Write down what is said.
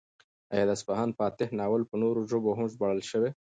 ایا د اصفهان فاتح ناول په نورو ژبو هم ژباړل شوی؟